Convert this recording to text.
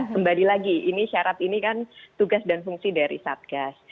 kembali lagi ini syarat ini kan tugas dan fungsi dari satgas